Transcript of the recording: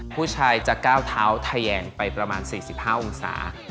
ผู้ชายจะก้าวเท้าทะแยงไปประมาณ๔๕องศา